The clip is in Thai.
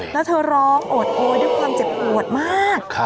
แล้วเธอร้องโอดโอยด้วยความเจ็บปวดมาก